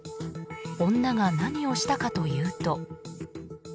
女が何をしたかというと。